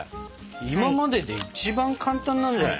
今までで一番簡単なんじゃない？